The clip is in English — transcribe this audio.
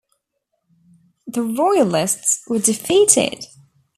The royalists were defeated.